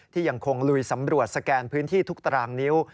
ยังคงลุยสำรวจสแกนพื้นที่ทุกตารางนิ้ว